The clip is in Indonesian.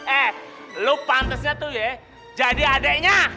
eh lo pantesnya tuh ya jadi adeknya